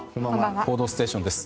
「報道ステーション」です。